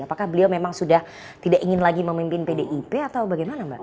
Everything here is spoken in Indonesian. apakah beliau memang sudah tidak ingin lagi memimpin pdip atau bagaimana mbak